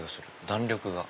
弾力が。